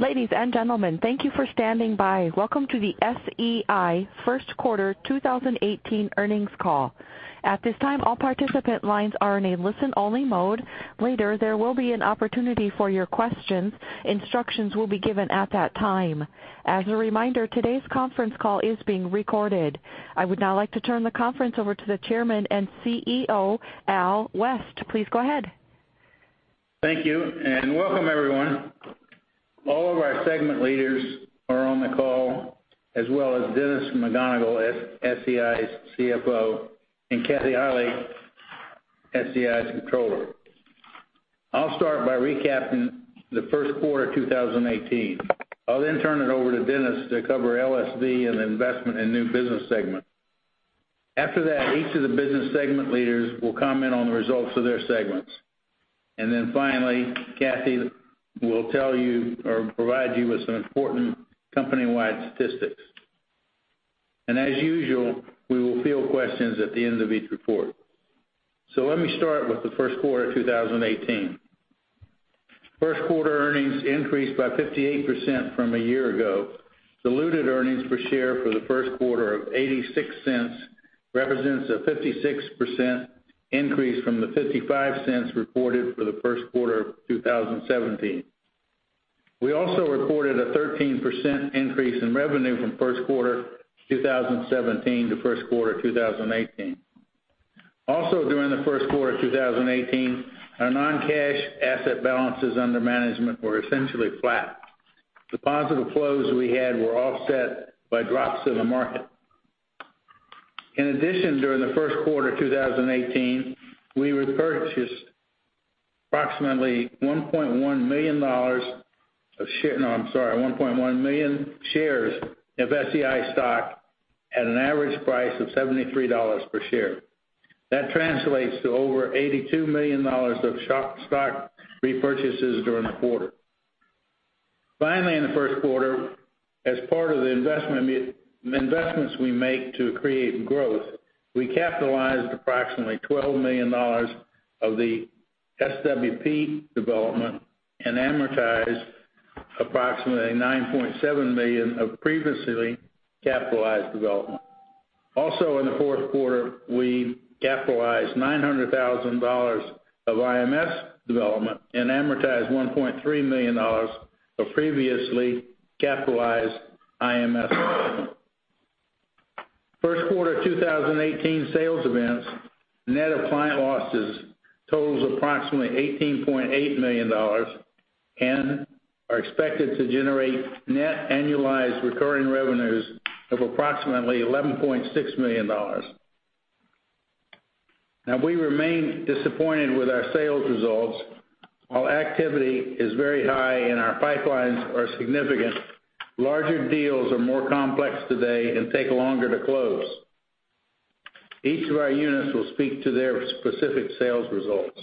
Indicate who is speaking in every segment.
Speaker 1: Ladies and gentlemen, thank you for standing by. Welcome to the SEI First Quarter 2018 Earnings Call. At this time, all participant lines are in a listen-only mode. Later, there will be an opportunity for your questions. Instructions will be given at that time. As a reminder, today's conference call is being recorded. I would now like to turn the conference over to the Chairman and CEO, Al West. Please go ahead.
Speaker 2: Thank you, and welcome everyone. All of our segment leaders are on the call, as well as Dennis McGonigle, SEI's CFO, and Kathy Heilig, SEI's Controller. I'll start by recapping the first quarter 2018. I'll then turn it over to Dennis to cover LSV and Investment in New Business segment. After that, each of the business segment leaders will comment on the results of their segments. Then finally, Kathy will provide you with some important company-wide statistics. As usual, we will field questions at the end of each report. Let me start with the first quarter 2018. First quarter earnings increased by 58% from a year ago. Diluted earnings per share for the first quarter of $0.86 represents a 56% increase from the $0.55 reported for the first quarter of 2017. We also reported a 13% increase in revenue from first quarter 2017 to first quarter 2018. During the first quarter 2018, our non-cash asset balances under management were essentially flat. The positive flows we had were offset by drops in the market. In addition, during the first quarter 2018, we repurchased approximately 1.1 million shares of SEI stock at an average price of $73 per share. That translates to over $82 million of stock repurchases during the quarter. Finally, in the first quarter, as part of the investments we make to create growth, we capitalized approximately $12 million of the SWP development and amortized approximately $9.7 million of previously capitalized development. In the fourth quarter, we capitalized $900,000 of IMS development and amortized $1.3 million of previously capitalized IMS development. First quarter 2018 sales events net of client losses totals approximately $18.8 million and are expected to generate net annualized recurring revenues of approximately $11.6 million. We remain disappointed with our sales results. While activity is very high and our pipelines are significant, larger deals are more complex today and take longer to close. Each of our units will speak to their specific sales results.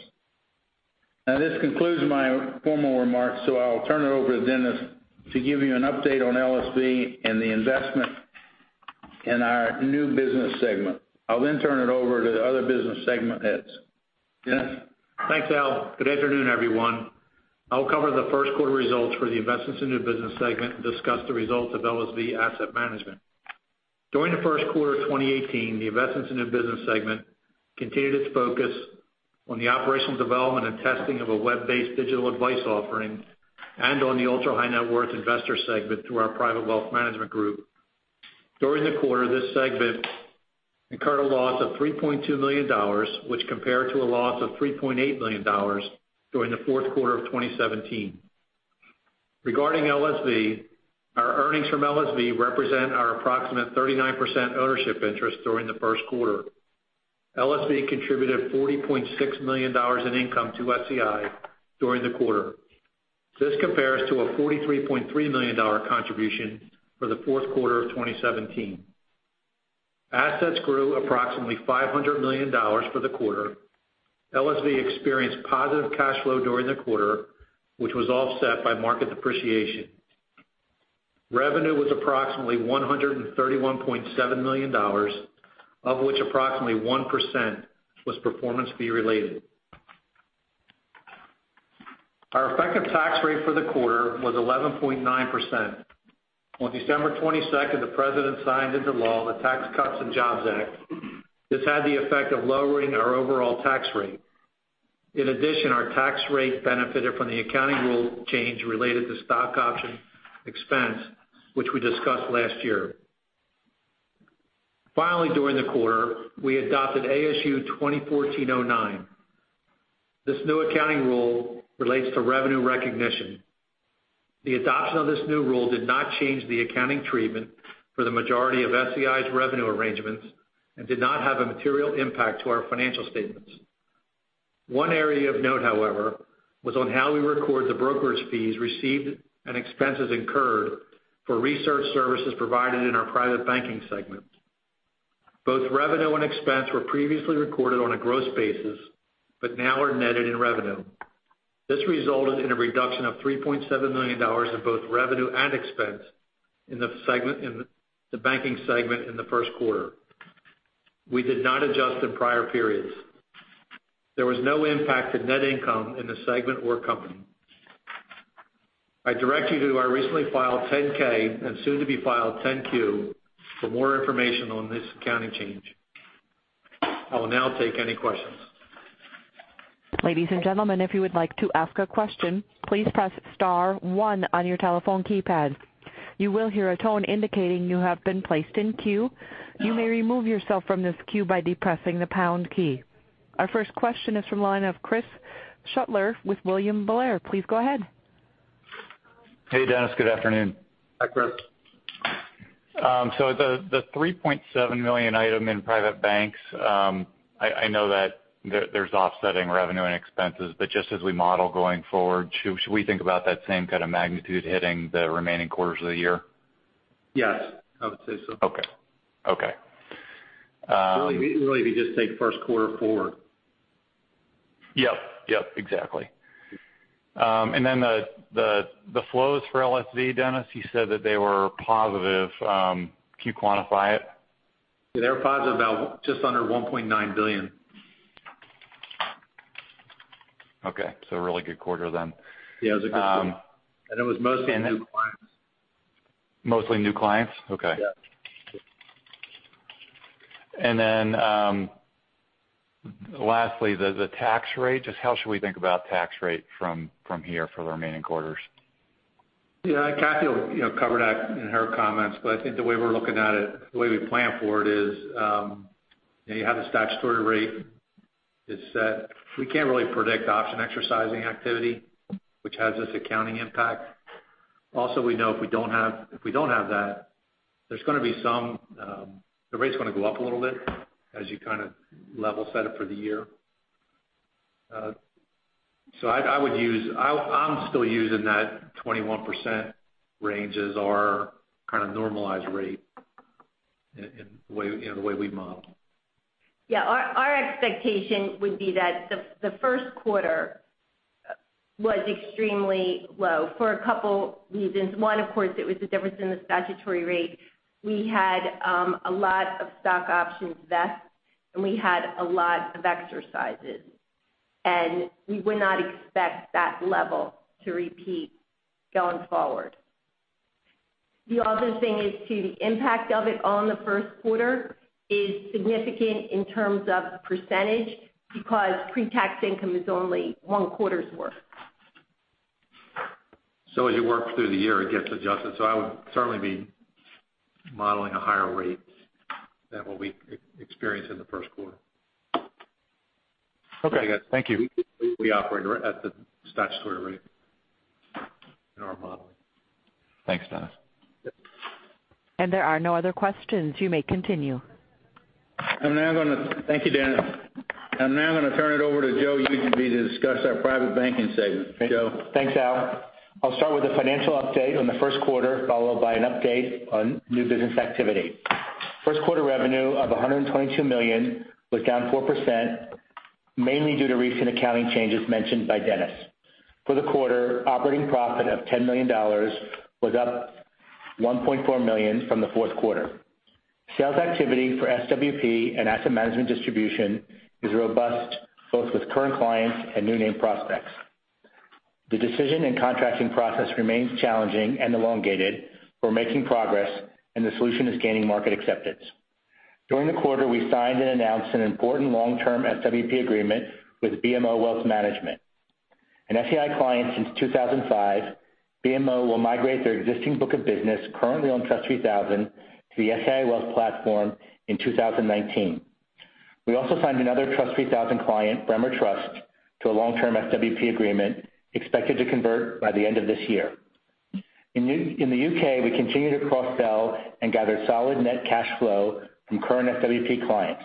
Speaker 2: This concludes my formal remarks, so I'll turn it over to Dennis to give you an update on LSV and the investment in our new business segment. I'll turn it over to the other business segment heads. Dennis?
Speaker 3: Thanks, Al. Good afternoon, everyone. I will cover the first quarter results for the investments in new business segment and discuss the results of LSV Asset Management. During the first quarter of 2018, the investments in new business segment continued its focus on the operational development and testing of a web-based digital advice offering and on the ultra-high net worth investor segment through our private wealth management group. During the quarter, this segment incurred a loss of $3.2 million, which compared to a loss of $3.8 million during the fourth quarter of 2017. Regarding LSV, our earnings from LSV represent our approximate 39% ownership interest during the first quarter. LSV contributed $40.6 million in income to SEI during the quarter. This compares to a $43.3 million contribution for the fourth quarter of 2017. Assets grew approximately $500 million for the quarter. LSV experienced positive cash flow during the quarter, which was offset by market depreciation. Revenue was approximately $131.7 million, of which approximately 1% was performance fee related. Our effective tax rate for the quarter was 11.9%. On December 22nd, the President signed into law the Tax Cuts and Jobs Act. This had the effect of lowering our overall tax rate. In addition, our tax rate benefited from the accounting rule change related to stock option expense, which we discussed last year. During the quarter, we adopted ASU 2014-09. This new accounting rule relates to revenue recognition. The adoption of this new rule did not change the accounting treatment for the majority of SEI's revenue arrangements and did not have a material impact to our financial statements. One area of note, however, was on how we record the brokerage fees received and expenses incurred for research services provided in our private banking segment. Both revenue and expense were previously recorded on a gross basis, but now are netted in revenue. This resulted in a reduction of $3.7 million in both revenue and expense in the banking segment in the first quarter. We did not adjust in prior periods. There was no impact to net income in the segment or company. I direct you to our recently filed 10-K and soon to be filed 10-Q for more information on this accounting change. I will now take any questions.
Speaker 1: Ladies and gentlemen, if you would like to ask a question, please press * one on your telephone keypad. You will hear a tone indicating you have been placed in queue. You may remove yourself from this queue by depressing the pound key. Our first question is from the line of Chris Shutler with William Blair. Please go ahead.
Speaker 4: Hey, Dennis. Good afternoon.
Speaker 3: Hi, Chris.
Speaker 4: The $3.7 million item in private banks, I know that there's offsetting revenue and expenses, but just as we model going forward, should we think about that same kind of magnitude hitting the remaining quarters of the year?
Speaker 3: Yes, I would say so.
Speaker 4: Okay.
Speaker 3: Really, if you just take first quarter forward.
Speaker 4: Yep, exactly. The flows for LSV, Dennis, you said that they were positive. Can you quantify it?
Speaker 3: They were positive, about just under $1.9 billion.
Speaker 4: Okay. A really good quarter then.
Speaker 3: Yeah, it was a good quarter. It was mostly new clients.
Speaker 4: Mostly new clients? Okay.
Speaker 3: Yeah.
Speaker 4: Lastly, the tax rate. Just how should we think about tax rate from here for the remaining quarters?
Speaker 3: Yeah. Kathy will cover that in her comments, I think the way we're looking at it, the way we plan for it is, you have the statutory rate is set. We can't really predict option exercising activity, which has this accounting impact. Also we know if we don't have that, the rate's going to go up a little bit as you kind of level set it for the year. I'm still using that 21% range as our kind of normalized rate in the way we model.
Speaker 5: Yeah. Our expectation would be that the first quarter was extremely low for a couple reasons. One, of course, it was the difference in the statutory rate. We had a lot of stock options vest, and we had a lot of exercises. We would not expect that level to repeat going forward. The other thing is too, the impact of it on the first quarter is significant in terms of percentage because pre-tax income is only one quarter's worth.
Speaker 3: As you work through the year, it gets adjusted. I would certainly be modeling a higher rate than what we experienced in the first quarter.
Speaker 4: Okay. Thank you.
Speaker 3: We operate at the statutory rate in our model.
Speaker 4: Thanks, Dennis.
Speaker 1: There are no other questions. You may continue.
Speaker 3: Thank you, Dana. I'm now going to turn it over to Joe Ujobai to discuss our Private Banking segment. Joe?
Speaker 6: Thanks, Al. I'll start with a financial update on the first quarter, followed by an update on new business activity. First quarter revenue of $122 million was down 4%, mainly due to recent accounting changes mentioned by Dennis. For the quarter, operating profit of $10 million was up $1.4 million from the fourth quarter. Sales activity for SWP and asset management distribution is robust, both with current clients and new name prospects. The decision and contracting process remains challenging and elongated. We're making progress, and the solution is gaining market acceptance. During the quarter, we signed and announced an important long-term SWP agreement with BMO Wealth Management. An SEI client since 2005, BMO will migrate their existing book of business currently on Trust 3000 to the SEI Wealth Platform in 2019. We also signed another Trust 3000 client, Bremer Trust, to a long-term SWP agreement expected to convert by the end of this year. In the U.K., we continue to cross-sell and gather solid net cash flow from current SWP clients.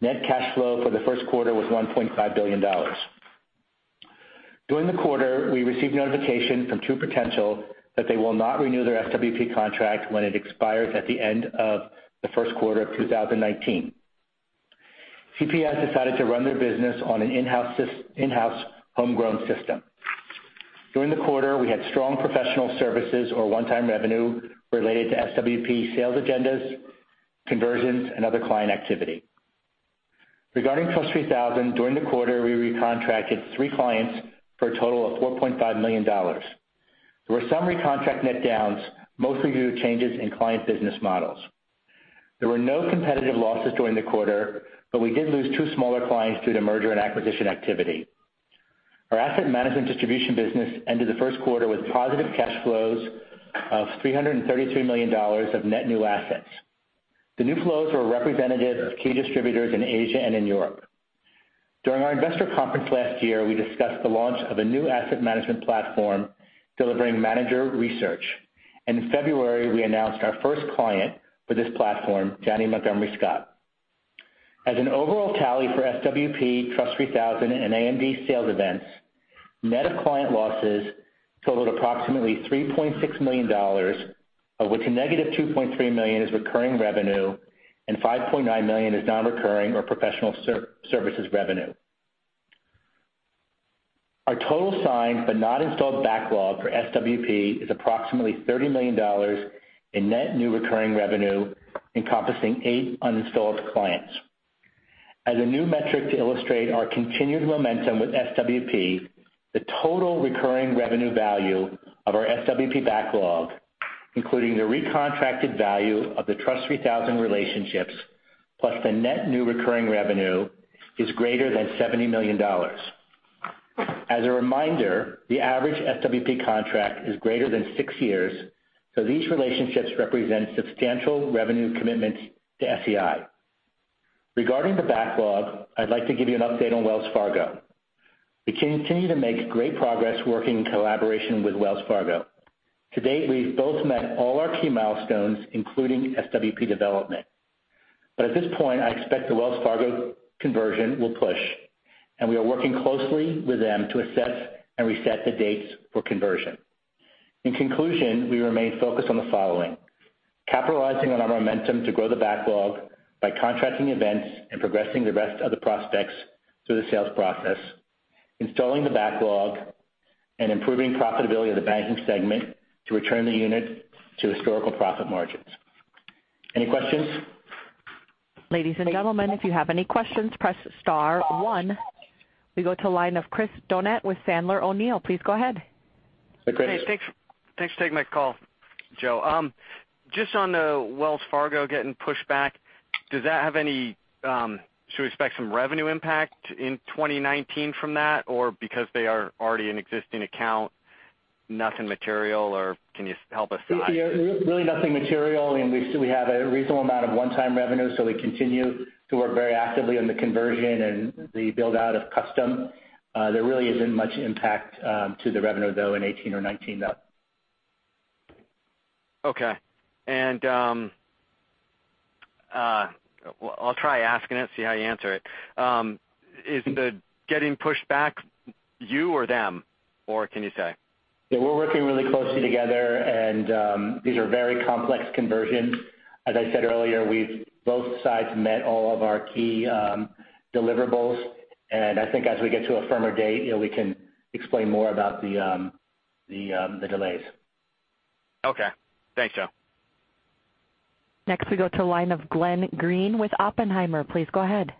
Speaker 6: Net cash flow for the first quarter was $1.5 billion. During the quarter, we received notification from True Potential that they will not renew their SWP contract when it expires at the end of the first quarter of 2019. TPS decided to run their business on an in-house homegrown system. During the quarter, we had strong professional services or one-time revenue related to SWP sales agendas, conversions, and other client activity. Regarding Trust 3000, during the quarter, we recontracted three clients for a total of $4.5 million. There were some recontract net downs, mostly due to changes in client business models. There were no competitive losses during the quarter, but we did lose two smaller clients due to merger and acquisition activity. Our asset management distribution business ended the first quarter with positive cash flows of $332 million of net new assets. The new flows were representative of key distributors in Asia and in Europe. In February, we announced our first client for this platform, Janney Montgomery Scott. As an overall tally for SWP, Trust 3000, and AMD sales events, net of client losses totaled approximately $3.6 million, of which negative $2.3 million is recurring revenue and $5.9 million is non-recurring or professional services revenue. Our total signed but not installed backlog for SWP is approximately $30 million in net new recurring revenue encompassing eight uninstalled clients. As a new metric to illustrate our continued momentum with SWP, the total recurring revenue value of our SWP backlog, including the recontracted value of the Trust 3000 relationships, plus the net new recurring revenue, is greater than $70 million. As a reminder, the average SWP contract is greater than six years, so these relationships represent substantial revenue commitments to SEI. Regarding the backlog, I'd like to give you an update on Wells Fargo. We continue to make great progress working in collaboration with Wells Fargo. To date, we've both met all our key milestones, including SWP development. At this point, I expect the Wells Fargo conversion will push, and we are working closely with them to assess and reset the dates for conversion. In conclusion, we remain focused on the following: capitalizing on our momentum to grow the backlog by contracting events and progressing the rest of the prospects through the sales process, installing the backlog, and improving profitability of the banking segment to return the unit to historical profit margins. Any questions?
Speaker 1: Ladies and gentlemen, if you have any questions, press star one. We go to the line of Chris Donat with Sandler O'Neill. Please go ahead.
Speaker 6: Go ahead.
Speaker 7: Hey, thanks for taking my call, Joe. Just on the Wells Fargo getting pushed back, should we expect some revenue impact in 2019 from that? Because they are already an existing account, nothing material? Can you help us out?
Speaker 6: Really nothing material, and we still have a reasonable amount of one-time revenue, so we continue to work very actively on the conversion and the build-out of custom. There really isn't much impact to the revenue, though, in 2018 or 2019, no.
Speaker 7: Okay. I'll try asking it, see how you answer it. Is the getting pushed back you or them, or can you say?
Speaker 6: Yeah, we're working really closely together and these are very complex conversions. As I said earlier, both sides met all of our key deliverables, and I think as we get to a firmer date, we can explain more about the delays.
Speaker 7: Okay. Thanks, Joe.
Speaker 1: Next we go to the line of Glenn Greene with Oppenheimer. Please go ahead.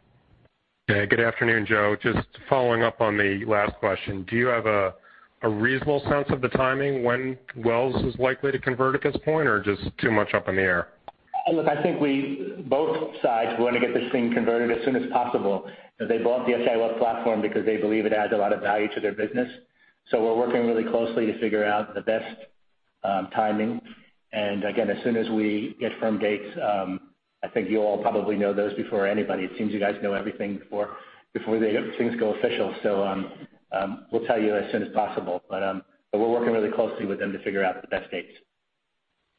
Speaker 8: Yeah, good afternoon, Joe. Just following up on the last question, do you have a reasonable sense of the timing when Wells is likely to convert at this point, or just too much up in the air?
Speaker 6: Look, I think both sides want to get this thing converted as soon as possible. They bought the SEI Wealth Platform because they believe it adds a lot of value to their business. We're working really closely to figure out the best timing. Again, as soon as we get firm dates, I think you'll all probably know those before anybody. It seems you guys know everything before things go official. We'll tell you as soon as possible. We're working really closely with them to figure out the best dates.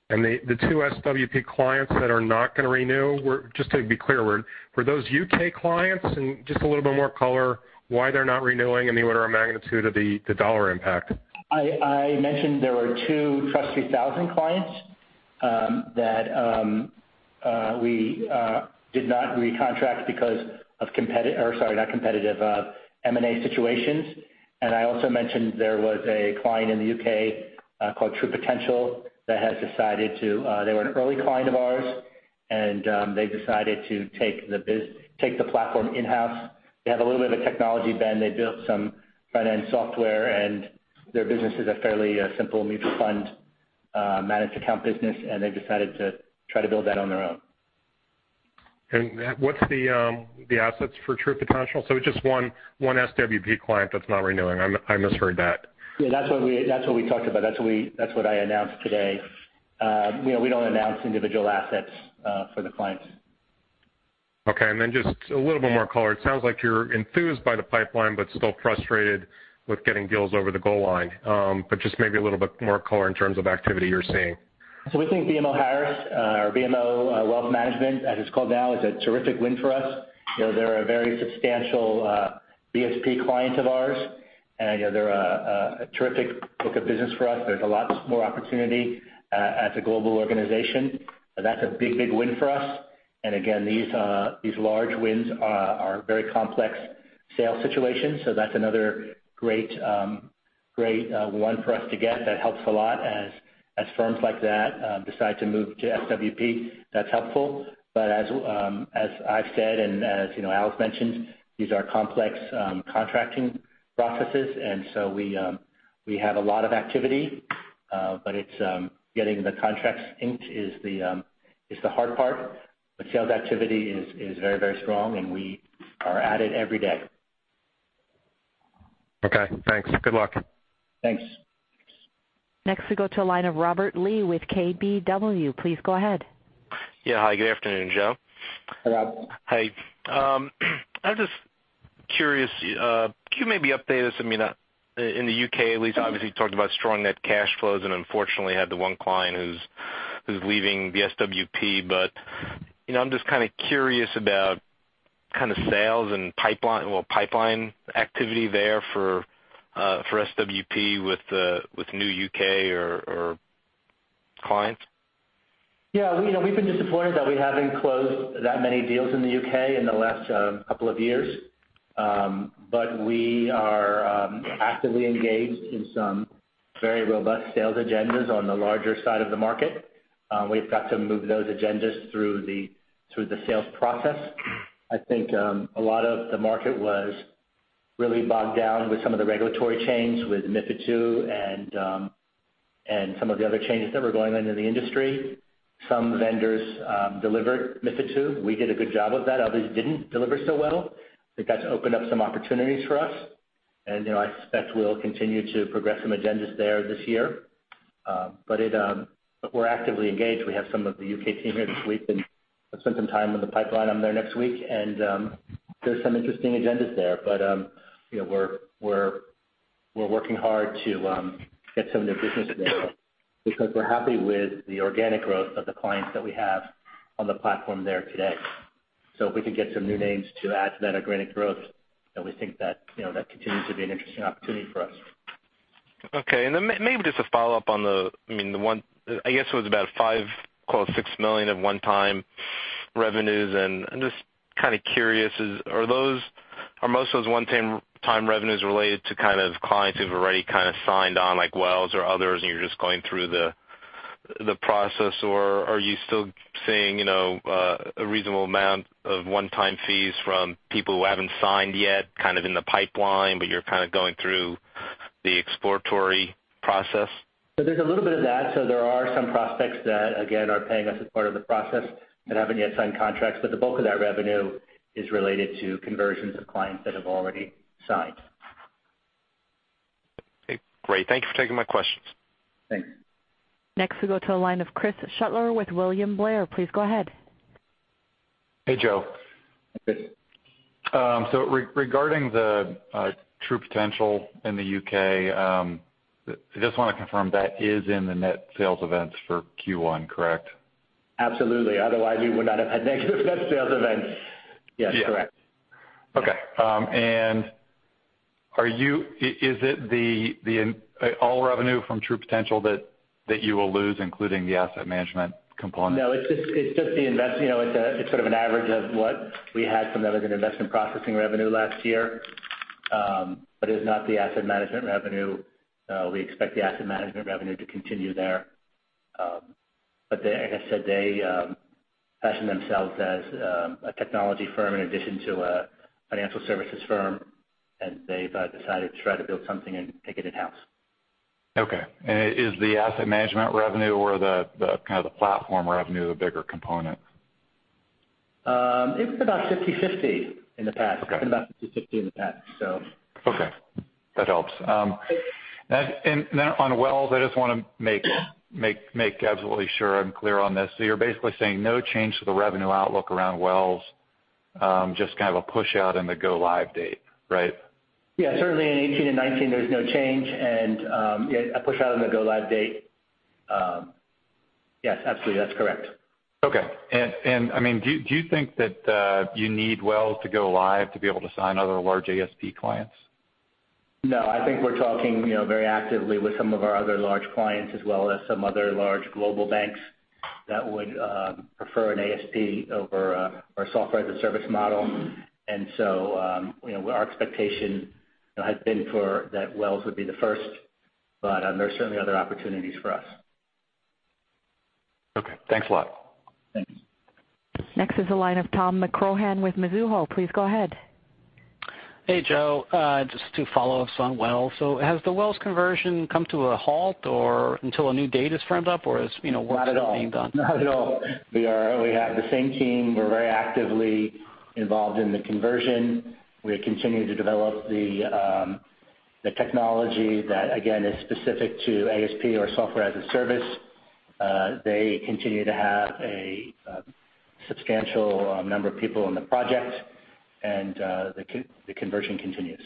Speaker 8: The two SWP clients that are not going to renew, just to be clear, were those U.K. clients? Just a little bit more color why they're not renewing and the order of magnitude of the dollar impact.
Speaker 6: I mentioned there were two Trust 3000 clients that we did not recontract because of M&A situations. I also mentioned there was a client in the U.K. called True Potential. They were an early client of ours. They decided to take the platform in-house. They have a little bit of a technology bend. They built some finance software. Their business is a fairly simple mutual fund-managed account business. They've decided to try to build that on their own.
Speaker 8: What's the assets for True Potential? It's just one SWP client that's not renewing. I misheard that.
Speaker 6: Yeah, that's what we talked about. That's what I announced today. We don't announce individual assets for the clients.
Speaker 8: Okay, just a little bit more color. It sounds like you're enthused by the pipeline, but still frustrated with getting deals over the goal line. Just maybe a little bit more color in terms of activity you're seeing.
Speaker 6: We think BMO Harris, or BMO Wealth Management, as it's called now, is a terrific win for us. They're a very substantial BSP client of ours, and they're a terrific book of business for us. There's lots more opportunity as a global organization. That's a big win for us. Again, these large wins are very complex sales situations. That's another great one for us to get that helps a lot. As firms like that decide to move to SWP, that's helpful. As I've said and as Al's mentioned, these are complex contracting processes. We have a lot of activity, but getting the contracts inked is the hard part. Sales activity is very strong, and we are at it every day.
Speaker 8: Okay, thanks. Good luck.
Speaker 6: Thanks.
Speaker 1: Next we go to the line of Robert Lee with KBW. Please go ahead.
Speaker 9: Yeah. Hi, good afternoon, Joe.
Speaker 6: Hi, Rob.
Speaker 9: Hi. I was just curious. Can you maybe update us, in the U.K. at least, obviously you talked about strong net cash flows and unfortunately had the one client who's leaving the SWP. I'm just kind of curious about sales and pipeline activity there for SWP with new U.K. or clients.
Speaker 6: We've been disappointed that we haven't closed that many deals in the U.K. in the last couple of years. We are actively engaged in some very robust sales agendas on the larger side of the market. We've got to move those agendas through the sales process. I think a lot of the market was really bogged down with some of the regulatory changes with MiFID II and some of the other changes that were going on in the industry. Some vendors delivered MiFID II. We did a good job of that. Others didn't deliver so well. That's opened up some opportunities for us. I suspect we'll continue to progress some agendas there this year. We're actively engaged. We have some of the U.K. team here this week, and I'll spend some time in the pipeline. I'm there next week, and there's some interesting agendas there. We're working hard to get some new business there because we're happy with the organic growth of the clients that we have on the platform there today. If we can get some new names to add to that organic growth, we think that continues to be an interesting opportunity for us.
Speaker 9: Okay. Maybe just to follow up on the, I guess it was about $5 million, call it $6 million of one-time revenues. I'm just kind of curious, are most of those one-time revenues related to kind of clients who've already kind of signed on, like Wells or others, and you're just going through the process? Are you still seeing a reasonable amount of one-time fees from people who haven't signed yet, kind of in the pipeline, but you're kind of going through the exploratory process?
Speaker 6: There's a little bit of that. There are some prospects that, again, are paying us as part of the process that haven't yet signed contracts. The bulk of that revenue is related to conversions of clients that have already signed.
Speaker 9: Okay, great. Thank you for taking my questions.
Speaker 6: Thanks.
Speaker 1: Next we go to the line of Chris Shutler with William Blair. Please go ahead.
Speaker 4: Hey, Joe.
Speaker 6: Hey, Chris.
Speaker 4: Regarding the True Potential in the U.K., I just want to confirm that is in the net sales events for Q1, correct?
Speaker 6: Absolutely. Otherwise, we would not have had negative net sales events. Yes, correct.
Speaker 4: Okay. Is it all revenue from True Potential that you will lose, including the asset management component?
Speaker 6: No, it's sort of an average of what we had from them as an investment processing revenue last year. It is not the asset management revenue. We expect the asset management revenue to continue there. Like I said, they fashion themselves as a technology firm in addition to a financial services firm, and they've decided to try to build something and take it in-house.
Speaker 4: Okay. Is the asset management revenue or the kind of the platform revenue, the bigger component?
Speaker 6: It was about 50/50 in the past.
Speaker 4: Okay.
Speaker 6: It's been about 50/50 in the past.
Speaker 4: Okay. That helps.
Speaker 6: Great.
Speaker 4: On Wells, I just want to make absolutely sure I'm clear on this. You're basically saying no change to the revenue outlook around Wells, just kind of a push out in the go-live date, right?
Speaker 6: Yeah. Certainly in 2018 and 2019, there's no change and, yeah, a push out on the go-live date. Yes, absolutely. That's correct.
Speaker 4: Okay. Do you think that you need Wells to go live to be able to sign other large ASP clients?
Speaker 6: No, I think we're talking very actively with some of our other large clients, as well as some other large global banks that would prefer an ASP over our software as a service model. Our expectation had been that Wells would be the first, but there are certainly other opportunities for us.
Speaker 4: Okay. Thanks a lot.
Speaker 6: Thanks.
Speaker 1: Next is the line of Tom McCrohan with Mizuho. Please go ahead.
Speaker 10: Hey, Joe. Just two follow-ups on Wells. Has the Wells conversion come to a halt or until a new date is framed up, or is work being done?
Speaker 6: Not at all. We have the same team. We're very actively involved in the conversion. We have continued to develop the technology that, again, is specific to ASP or software as a service. They continue to have a substantial number of people on the project, and the conversion continues.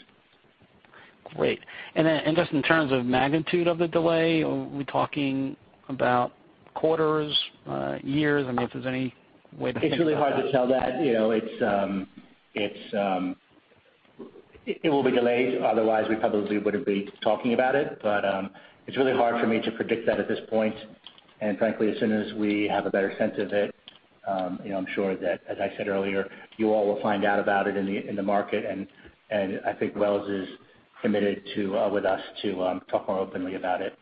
Speaker 10: Just in terms of magnitude of the delay, are we talking about quarters, years? I mean, if there's any way to think about that.
Speaker 6: It's really hard to tell that. It will be delayed, otherwise we probably wouldn't be talking about it. It's really hard for me to predict that at this point. Frankly, as soon as we have a better sense of it, I'm sure that, as I said earlier, you all will find out about it in the market, and I think Wells is committed with us to talk more openly about it.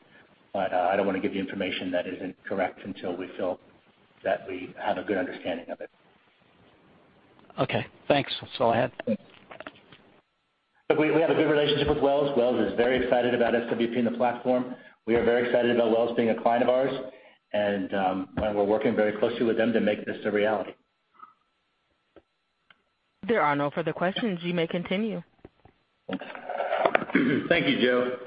Speaker 6: I don't want to give you information that isn't correct until we feel that we have a good understanding of it.
Speaker 10: Okay, thanks. That's all I had.
Speaker 6: Thanks. Look, we have a good relationship with Wells Fargo. Wells Fargo is very excited about SWP and the platform. We are very excited about Wells Fargo being a client of ours, and we're working very closely with them to make this a reality.
Speaker 1: There are no further questions. You may continue.
Speaker 2: Thank you, Joe.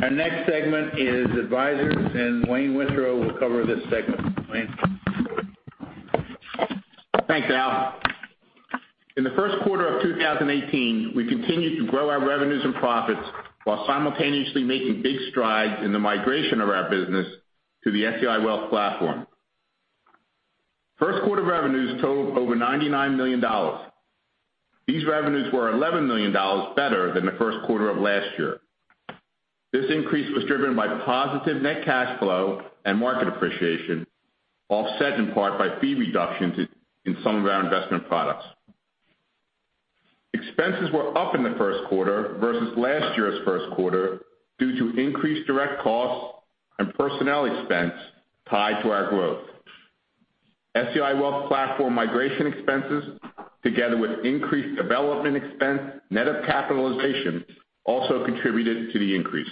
Speaker 2: Our next segment is Advisors. Wayne Withrow will cover this segment. Wayne?
Speaker 11: Thanks, Al. In the first quarter of 2018, we continued to grow our revenues and profits while simultaneously making big strides in the migration of our business to the SEI Wealth Platform. First quarter revenues totaled over $99 million. These revenues were $11 million better than the first quarter of last year. This increase was driven by positive net cash flow and market appreciation, offset in part by fee reductions in some of our investment products. Expenses were up in the first quarter versus last year's first quarter due to increased direct costs and personnel expense tied to our growth. SEI Wealth Platform migration expenses, together with increased development expense, net of capitalization, also contributed to the increase.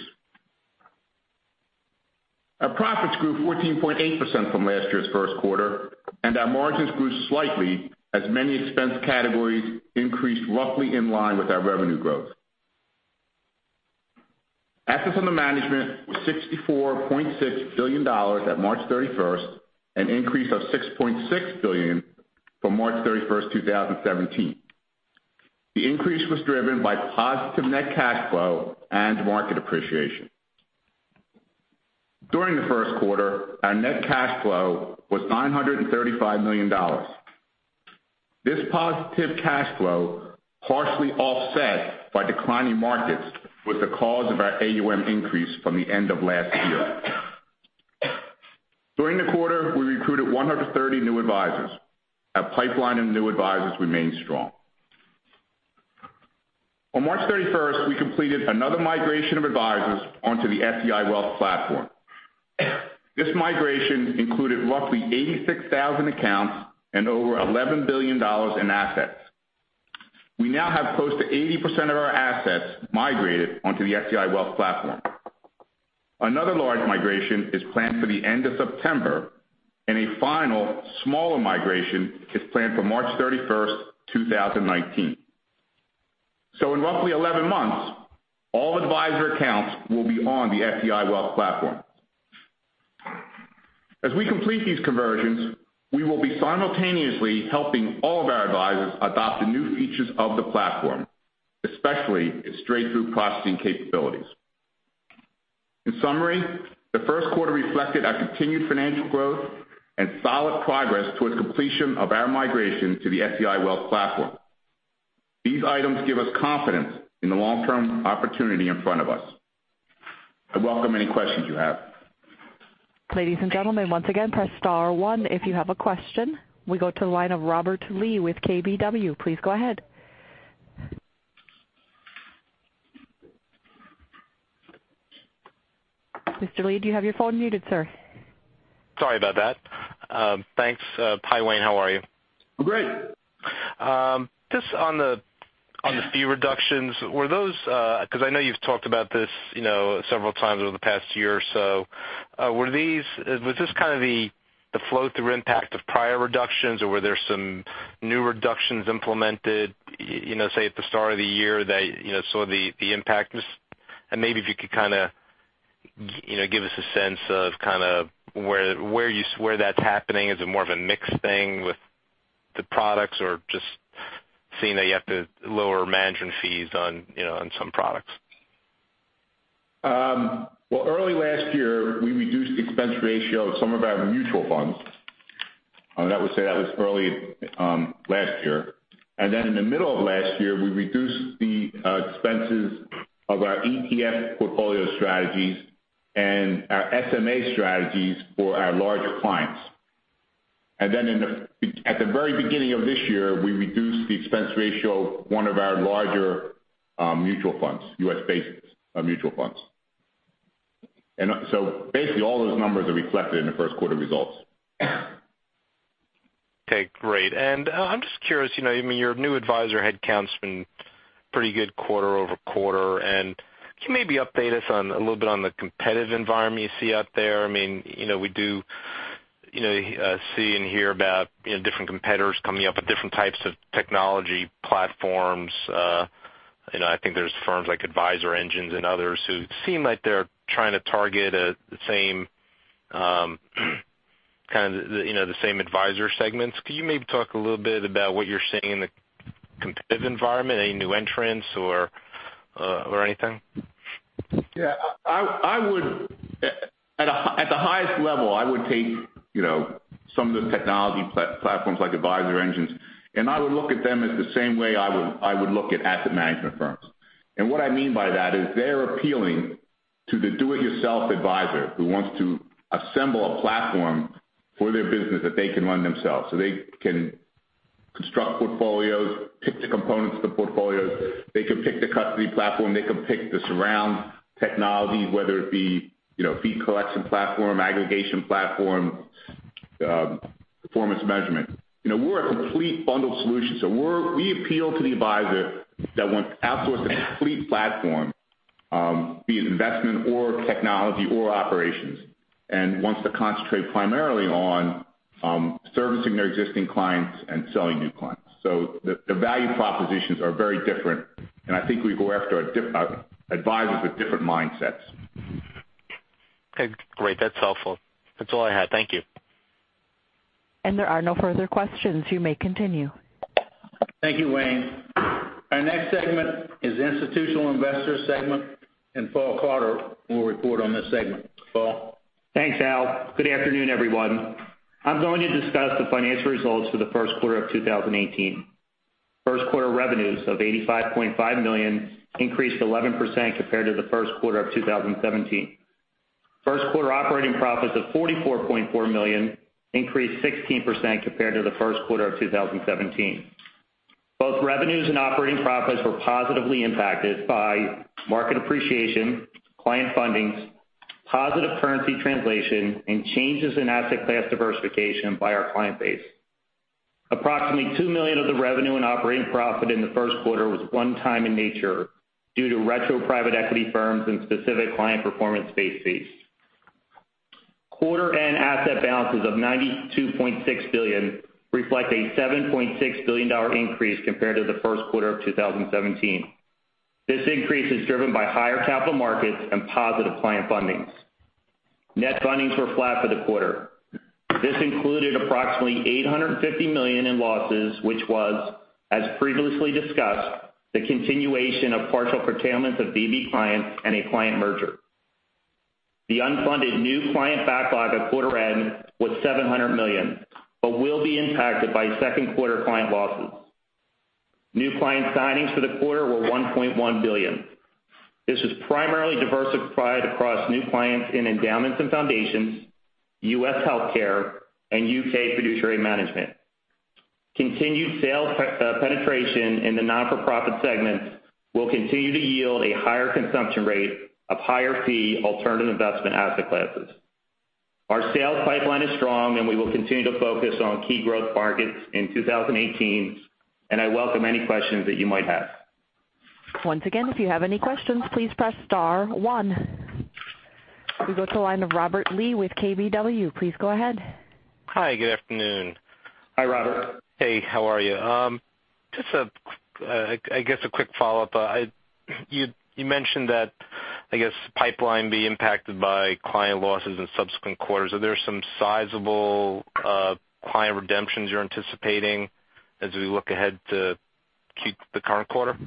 Speaker 11: Our profits grew 14.8% from last year's first quarter. Our margins grew slightly as many expense categories increased roughly in line with our revenue growth. Assets under management was $64.6 billion at March 31st, an increase of $6.6 billion from March 31st, 2017. The increase was driven by positive net cash flow and market appreciation. During the first quarter, our net cash flow was $935 million. This positive cash flow, partially offset by declining markets, was the cause of our AUM increase from the end of last year. During the quarter, we recruited 130 new advisors. Our pipeline of new advisors remains strong. On March 31st, we completed another migration of advisors onto the SEI Wealth Platform. This migration included roughly 86,000 accounts and over $11 billion in assets. We now have close to 80% of our assets migrated onto the SEI Wealth Platform. Another large migration is planned for the end of September, and a final smaller migration is planned for March 31st, 2019. In roughly 11 months, all advisor accounts will be on the SEI Wealth Platform. As we complete these conversions, we will be simultaneously helping all of our advisors adopt the new features of the Platform, especially its straight-through processing capabilities. In summary, the first quarter reflected our continued financial growth and solid progress towards completion of our migration to the SEI Wealth Platform. These items give us confidence in the long-term opportunity in front of us. I welcome any questions you have.
Speaker 1: Ladies and gentlemen, once again, press *1 if you have a question. We go to the line of Robert Lee with KBW. Please go ahead. Mr. Lee, do you have your phone muted, sir?
Speaker 9: Sorry about that. Thanks. Hi, Wayne. How are you?
Speaker 11: I'm great.
Speaker 9: Just on the fee reductions, were those Because I know you've talked about this several times over the past year or so. Was this the flow-through impact of prior reductions, or were there some new reductions implemented, say, at the start of the year that saw the impact? Maybe if you could give us a sense of where that's happening. Is it more of a mixed thing with the products or just seeing that you have to lower management fees on some products?
Speaker 11: Well, early last year, we reduced the expense ratio of some of our mutual funds. That was early last year. Then in the middle of last year, we reduced the expenses of our ETF portfolio strategies and our SMA strategies for our larger clients. Then at the very beginning of this year, we reduced the expense ratio of one of our larger mutual funds, U.S.-based mutual funds. So basically, all those numbers are reflected in the first quarter results.
Speaker 9: Okay, great. I'm just curious, your new advisor headcount's been pretty good quarter-over-quarter. Can you maybe update us a little bit on the competitive environment you see out there? We do see and hear about different competitors coming up with different types of technology platforms. I think there's firms like AdvisorEngine and others who seem like they're trying to target the same advisor segments. Could you maybe talk a little bit about what you're seeing in the competitive environment, any new entrants or anything?
Speaker 11: Yeah. At the highest level, I would take some of the technology platforms like AdvisorEngine, I would look at them as the same way I would look at asset management firms. What I mean by that is they're appealing to the do-it-yourself advisor who wants to assemble a platform for their business that they can run themselves. They can construct portfolios, pick the components of the portfolios. They can pick the custody platform. They can pick the surround technology, whether it be fee collection platform, aggregation platform, performance measurement. We're a complete bundled solution. We appeal to the advisor that wants to outsource the complete platform be it investment or technology or operations, and wants to concentrate primarily on servicing their existing clients and selling new clients. The value propositions are very different, and I think we go after advisors with different mindsets.
Speaker 9: Okay, great. That's helpful. That's all I had. Thank you.
Speaker 1: There are no further questions. You may continue.
Speaker 2: Thank you, Wayne. Our next segment is Institutional Investors Segment, and Paul Klauder will report on this segment. Paul?
Speaker 12: Thanks, Al. Good afternoon, everyone. I'm going to discuss the financial results for the first quarter of 2018. First quarter revenues of $85.5 million increased 11% compared to the first quarter of 2017. First quarter operating profits of $44.4 million increased 16% compared to the first quarter of 2017. Both revenues and operating profits were positively impacted by market appreciation, client fundings, positive currency translation, and changes in asset class diversification by our client base. Approximately $2 million of the revenue and operating profit in the first quarter was one-time in nature due to retro private equity firms and specific client performance-based fees. Quarter end asset balances of $92.6 billion reflect a $7.6 billion increase compared to the first quarter of 2017. This increase is driven by higher capital markets and positive client fundings. Net fundings were flat for the quarter. This included approximately $850 million in losses, which was, as previously discussed, the continuation of partial curtailments of DB clients and a client merger. The unfunded new client backlog at quarter end was $700 million, but will be impacted by second quarter client losses. New client signings for the quarter were $1.1 billion. This was primarily diversified across new clients in endowments and foundations, U.S. healthcare, and U.K. fiduciary management. Continued sales penetration in the not-for-profit segments will continue to yield a higher consumption rate of higher fee alternative investment asset classes. Our sales pipeline is strong, and we will continue to focus on key growth markets in 2018. I welcome any questions that you might have.
Speaker 1: Once again, if you have any questions, please press star one. We go to the line of Robert Lee with KBW. Please go ahead.
Speaker 9: Hi, good afternoon.
Speaker 12: Hi, Robert.
Speaker 9: Hey, how are you? Just, I guess, a quick follow-up. You mentioned that pipeline be impacted by client losses in subsequent quarters. Are there some sizable client redemptions you're anticipating as we look ahead to the current quarter?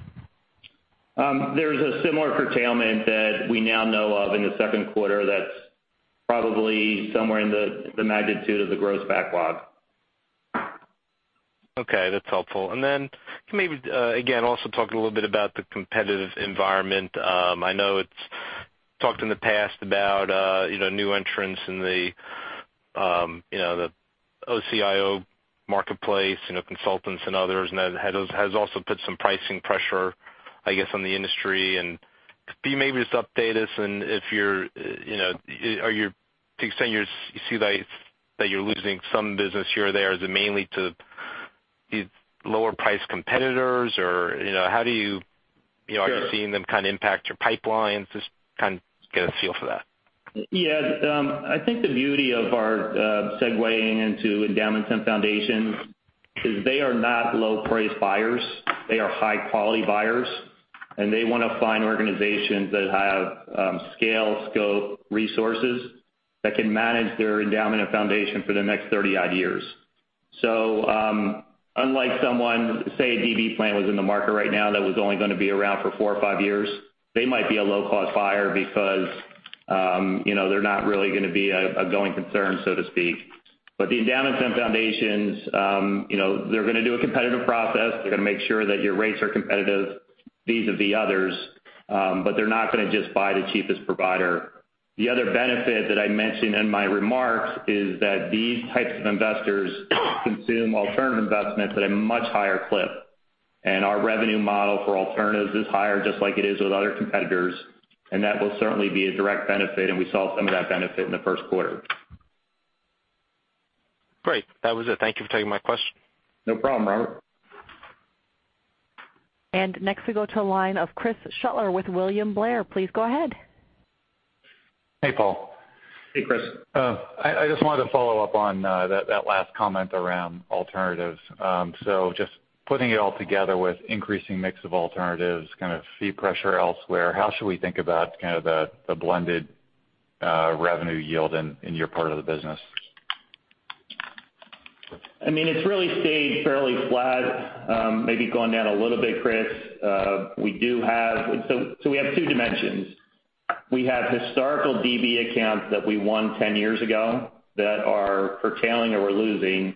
Speaker 12: There's a similar curtailment that we now know of in the second quarter that's probably somewhere in the magnitude of the gross backlog.
Speaker 9: Okay, that's helpful. Then can you maybe, again, also talk a little bit about the competitive environment? I know it's talked in the past about new entrants in the OCIO marketplace, consultants and others, and that has also put some pricing pressure, I guess, on the industry. Could you maybe just update us, and to the extent you see that you're losing some business here or there, is it mainly to these lower priced competitors? Or how do you?
Speaker 12: Sure
Speaker 9: Are you seeing them impact your pipelines? Just get a feel for that.
Speaker 12: Yeah. I think the beauty of our segueing into endowments and foundations is they are not low price buyers. They are high quality buyers, and they want to find organizations that have scale, scope, resources that can manage their endowment and foundation for the next 30-odd years. Unlike someone, say, a DB plan was in the market right now that was only going to be around for four or five years, they might be a low-cost buyer because they're not really going to be a going concern, so to speak. The endowments and foundations, they're going to do a competitive process. They're going to make sure that your rates are competitive vis-à-vis others. They're not going to just buy the cheapest provider. The other benefit that I mentioned in my remarks is that these types of investors consume alternative investments at a much higher clip. Our revenue model for alternatives is higher, just like it is with other competitors. That will certainly be a direct benefit, and we saw some of that benefit in the first quarter.
Speaker 9: Great. That was it. Thank you for taking my question.
Speaker 12: No problem, Robert.
Speaker 1: Next we go to the line of Chris Shutler with William Blair. Please go ahead.
Speaker 4: Hey, Paul.
Speaker 12: Hey, Chris.
Speaker 4: I just wanted to follow up on that last comment around alternatives. Just putting it all together with increasing mix of alternatives, fee pressure elsewhere, how should we think about the blended revenue yield in your part of the business?
Speaker 12: It's really stayed fairly flat, maybe gone down a little bit, Chris. We have two dimensions. We have historical DB accounts that we won 10 years ago that are curtailing or we're losing,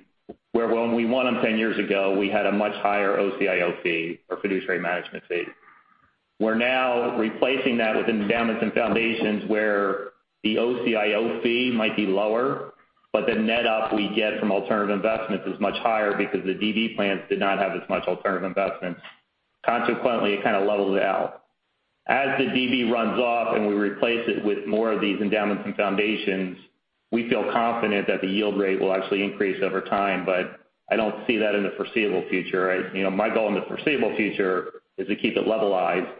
Speaker 12: where when we won them 10 years ago, we had a much higher OCIO fee or fiduciary management fee. We're now replacing that with endowments and foundations where the OCIO fee might be lower, but the net up we get from alternative investments is much higher because the DB plans did not have as much alternative investments. Consequently, it kind of levels it out. As the DB runs off and we replace it with more of these endowments and foundations, we feel confident that the yield rate will actually increase over time, but I don't see that in the foreseeable future. My goal in the foreseeable future is to keep it levelized.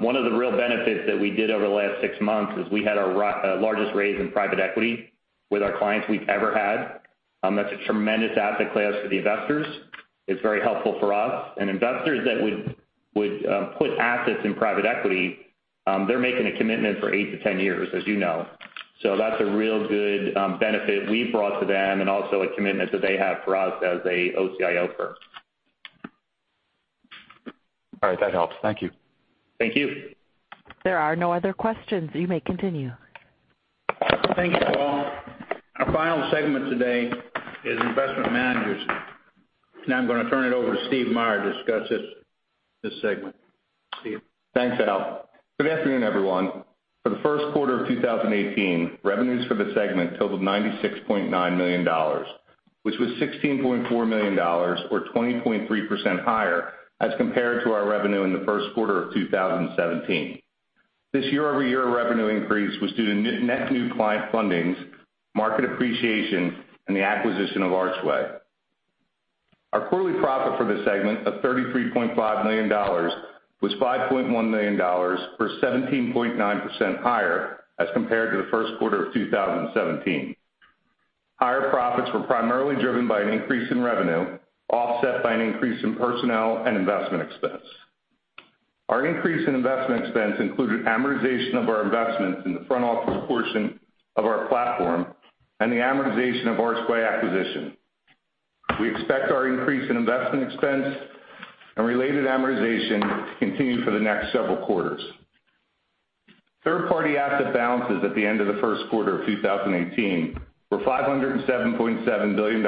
Speaker 12: One of the real benefits that we did over the last six months is we had our largest raise in private equity with our clients we've ever had. That's a tremendous asset class for the investors. It's very helpful for us. Investors that would put assets in private equity, they're making a commitment for eight to 10 years, as you know. That's a real good benefit we've brought to them and also a commitment that they have for us as a OCIO firm.
Speaker 4: All right. That helps. Thank you.
Speaker 2: Thank you.
Speaker 1: There are no other questions. You may continue.
Speaker 2: Thank you, Paul. Our final segment today is Investment Managers. Now I'm going to turn it over to Stephen Meyer to discuss this segment. Steve.
Speaker 13: Thanks, Al. Good afternoon, everyone. For the first quarter of 2018, revenues for the segment totaled $96.9 million, which was $16.4 million, or 20.3% higher as compared to our revenue in the first quarter of 2017. This year-over-year revenue increase was due to net new client fundings, market appreciation, and the acquisition of Archway. Our quarterly profit for this segment of $33.5 million was $5.1 million, or 17.9% higher as compared to the first quarter of 2017. Higher profits were primarily driven by an increase in revenue, offset by an increase in personnel and investment expense. Our increase in investment expense included amortization of our investments in the front office portion of our platform and the amortization of Archway acquisition. We expect our increase in investment expense and related amortization to continue for the next several quarters. Third-party asset balances at the end of the first quarter of 2018 were $507.7 billion,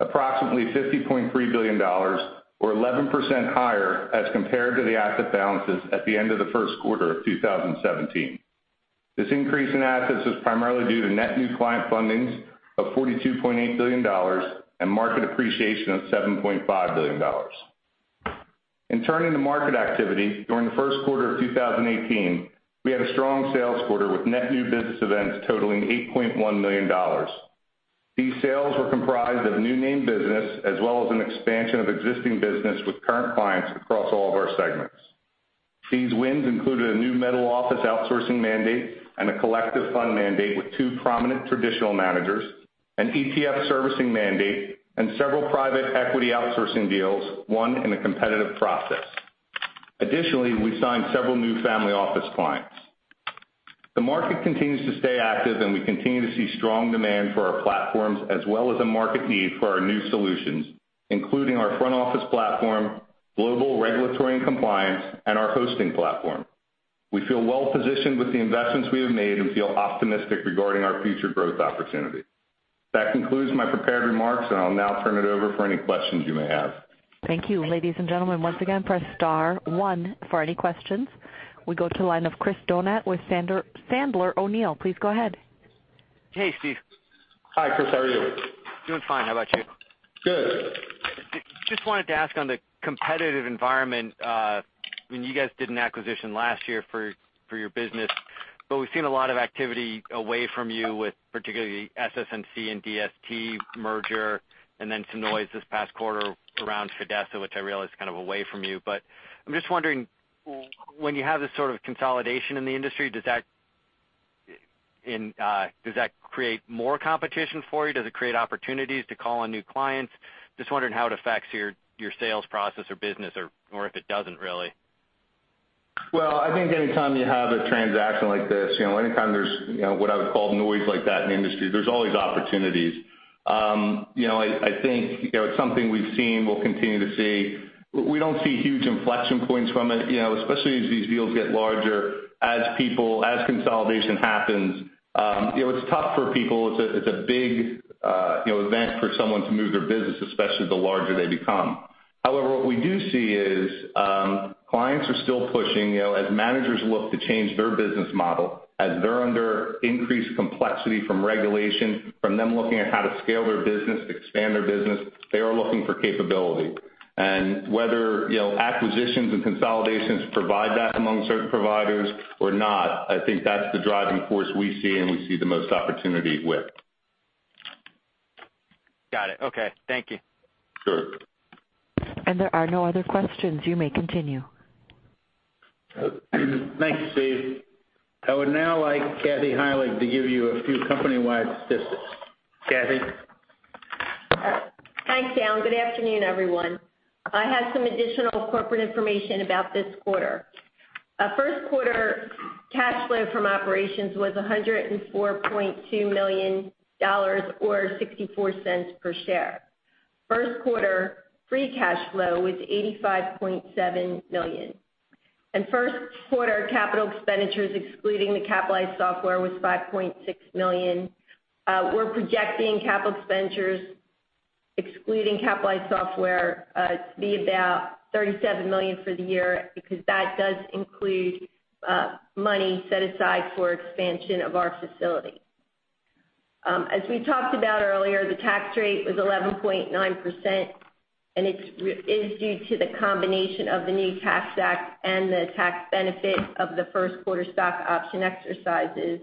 Speaker 13: approximately $50.3 billion, or 11% higher as compared to the asset balances at the end of the first quarter of 2017. This increase in assets was primarily due to net new client fundings of $42.8 billion and market appreciation of $7.5 billion. In turning to market activity, during the first quarter of 2018, we had a strong sales quarter with net new business events totaling $8.1 million. These sales were comprised of new name business as well as an expansion of existing business with current clients across all of our segments. These wins included a new middle office outsourcing mandate and a collective fund mandate with two prominent traditional managers, an ETF servicing mandate, and several private equity outsourcing deals, one in a competitive process. Additionally, we signed several new family office clients. The market continues to stay active, and we continue to see strong demand for our platforms as well as a market need for our new solutions, including our front office platform, global regulatory and compliance, and our hosting platform. We feel well-positioned with the investments we have made and feel optimistic regarding our future growth opportunity. That concludes my prepared remarks, and I'll now turn it over for any questions you may have.
Speaker 1: Thank you. Ladies and gentlemen, once again, press star one for any questions. We go to the line of Chris Donat with Sandler O'Neill. Please go ahead.
Speaker 7: Hey, Steve.
Speaker 13: Hi, Chris. How are you?
Speaker 7: Doing fine. How about you?
Speaker 13: Good.
Speaker 7: Just wanted to ask on the competitive environment. You guys did an acquisition last year for your business, but we've seen a lot of activity away from you with particularly SS&C and DST merger, and then some noise this past quarter around Fidessa, which I realize is kind of away from you. I'm just wondering, when you have this sort of consolidation in the industry, does that create more competition for you? Does it create opportunities to call on new clients? Just wondering how it affects your sales process or business or if it doesn't, really.
Speaker 13: Well, I think anytime you have a transaction like this, anytime there's what I would call noise like that in the industry, there's always opportunities. I think it's something we've seen, we'll continue to see. We don't see huge inflection points from it. Especially as these deals get larger, as consolidation happens. It's tough for people. It's a big event for someone to move their business, especially the larger they become. However, what we do see is, clients are still pushing. As managers look to change their business model, as they're under increased complexity from regulation, from them looking at how to scale their business, expand their business, they are looking for capability. Whether acquisitions and consolidations provide that among certain providers or not, I think that's the driving force we see and we see the most opportunity with.
Speaker 7: Got it. Okay. Thank you.
Speaker 13: Sure.
Speaker 1: There are no other questions. You may continue.
Speaker 2: Thanks, Steve. I would now like Kathy Heilig to give you a few company-wide statistics. Kathy?
Speaker 5: Thanks, Al. Good afternoon, everyone. I have some additional corporate information about this quarter. First quarter cash flow from operations was $104.2 million, or $0.64 per share. First quarter free cash flow was $85.7 million. First quarter capital expenditures excluding the capitalized software was $5.6 million. We're projecting capital expenditures excluding capitalized software to be about $37 million for the year because that does include money set aside for expansion of our facility. As we talked about earlier, the tax rate was 11.9%, and it is due to the combination of the new Tax Act and the tax benefit of the first quarter stock option exercises.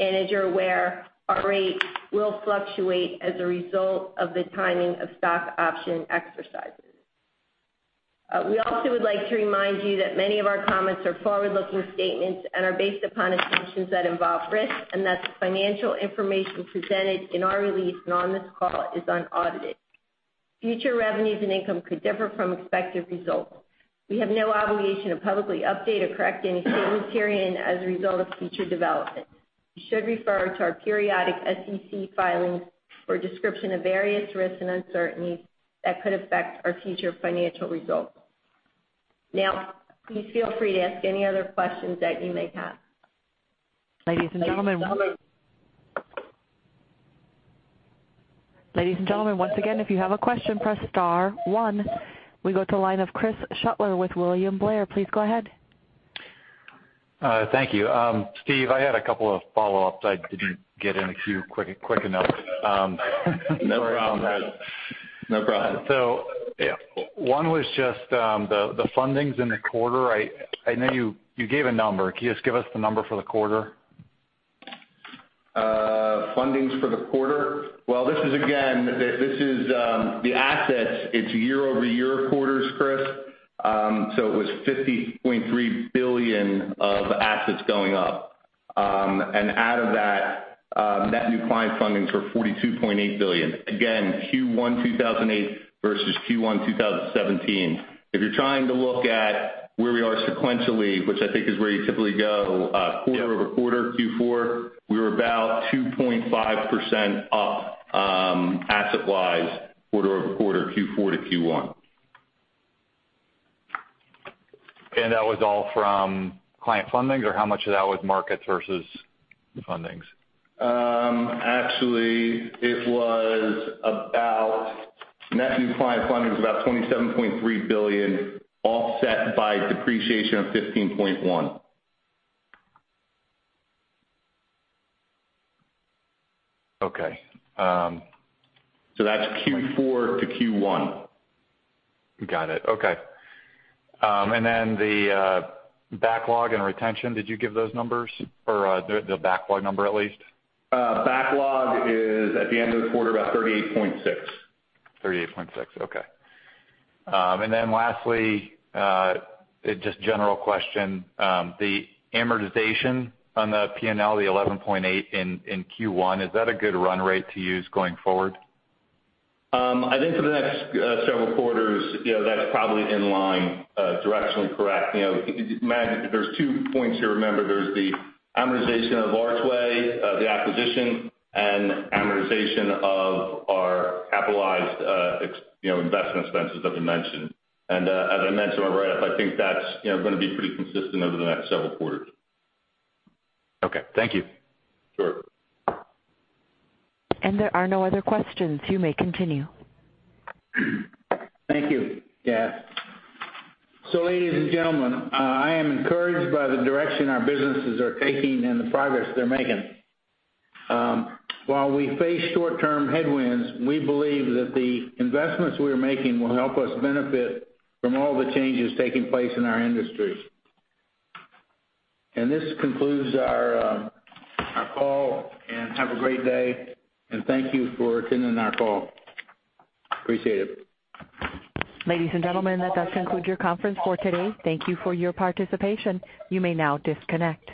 Speaker 5: As you're aware, our rate will fluctuate as a result of the timing of stock option exercises. We also would like to remind you that many of our comments are forward-looking statements and are based upon assumptions that involve risk, and that the financial information presented in our release and on this call is unaudited. Future revenues and income could differ from expected results. We have no obligation to publicly update or correct any statements herein as a result of future developments. You should refer to our periodic SEC filings for a description of various risks and uncertainties that could affect our future financial results. Now, please feel free to ask any other questions that you may have.
Speaker 1: Ladies and gentlemen-
Speaker 5: Ladies and gentlemen
Speaker 1: Ladies and gentlemen, once again, if you have a question, press star one. We go to the line of Chris Shutler with William Blair. Please go ahead.
Speaker 4: Thank you. Steve, I had a couple of follow-ups I didn't get in queue quick enough.
Speaker 13: No problem, Chris. No problem.
Speaker 4: One was just the fundings in the quarter. I know you gave a number. Can you just give us the number for the quarter?
Speaker 13: Fundings for the quarter? This is again, the assets. It's year-over-year quarters, Chris. It was $50.3 billion of assets going up. Out of that, net new client fundings were $42.8 billion. Again, Q1 2008 versus Q1 2017. If you're trying to look at where we are sequentially.
Speaker 4: Yeah
Speaker 13: Quarter-over-quarter, Q4, we were about 2.5% up asset-wise, quarter-over-quarter, Q4 to Q1.
Speaker 4: That was all from client fundings or how much of that was markets versus the fundings?
Speaker 13: Actually, it was about net new client fundings, about $27.3 billion, offset by depreciation of $15.1.
Speaker 4: Okay.
Speaker 13: That's Q4 to Q1.
Speaker 4: Got it. Okay. The backlog and retention, did you give those numbers? Or the backlog number at least?
Speaker 13: Backlog is at the end of the quarter, about 38.6.
Speaker 4: 38.6. Okay. Lastly, just general question, the amortization on the P&L, the 11.8 in Q1, is that a good run rate to use going forward?
Speaker 13: I think for the next several quarters, that's probably in line, directionally correct. There's two points here to remember. There's the amortization of Archway, the acquisition, and amortization of our capitalized investment expenses that we mentioned. As I mentioned on the write-up, I think that's going to be pretty consistent over the next several quarters.
Speaker 4: Okay. Thank you.
Speaker 13: Sure.
Speaker 1: There are no other questions. You may continue.
Speaker 2: Thank you. Ladies and gentlemen, I am encouraged by the direction our businesses are taking and the progress they're making. While we face short-term headwinds, we believe that the investments we are making will help us benefit from all the changes taking place in our industry. This concludes our call. Have a great day, and thank you for attending our call. Appreciate it.
Speaker 1: Ladies and gentlemen, that does conclude your conference for today. Thank you for your participation. You may now disconnect.